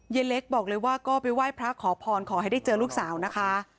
เล็กบอกเลยว่าก็ไปไหว้พระขอพรขอให้ได้เจอลูกสาวนะคะ